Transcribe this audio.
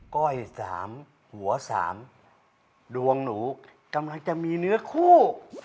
ก้อย๓หัว๓ดวงหนูกำลังจะมีเนื้อคู่